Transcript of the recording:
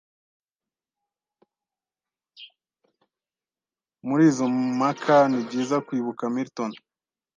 Muri izo mpaka nibyiza kwibuka Milton